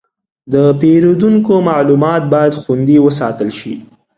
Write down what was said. د پیرودونکو معلومات باید خوندي وساتل شي.